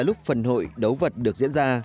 lúc phần hội đấu vật được diễn ra